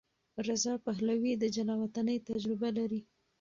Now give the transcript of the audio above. رضا پهلوي د جلاوطنۍ تجربه لري.